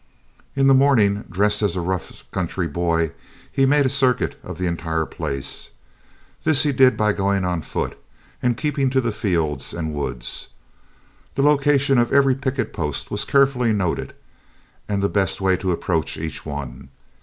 In the morning, dressed as a rough country boy, he made a circuit of the entire place. This he did by going on foot, and keeping to the fields and woods. The location of every picket post was carefully noted, and the best way to approach each one.